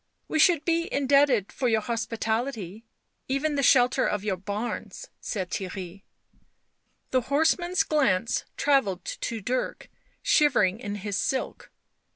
" We should b indebted for your hospitality — even the shelter of your barns," said Theirry. The horseman's glance travelled to Dirk, shivering in his silk.